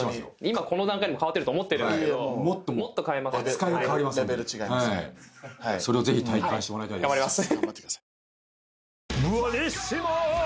今この段階でも変わってると思ってるんですけどもっと変えますんで扱いが変わりますんでそれをぜひ体感してもらいたいです